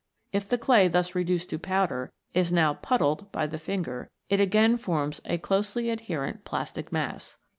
If the clay thus reduced to powder is now "puddled" by the finger, it again forms a closely adherent plastic mass.